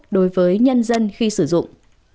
đối với nhân dân khi sử dụng